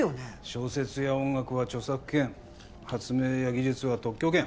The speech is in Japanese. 小説や音楽は著作権発明や技術は特許権